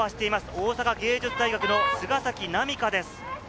大阪芸術大学の菅崎南花です。